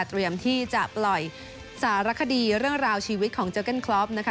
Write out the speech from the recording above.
เตรียมที่จะปล่อยสารคดีเรื่องราวชีวิตของเจอเก้นคลอฟนะคะ